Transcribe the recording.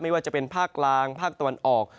ว่าจะเป็นภาคกลางภาคตะวันออก